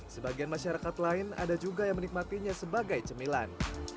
sebagian masyarakat lain ada juga yang menikmatinya sebagai cemilan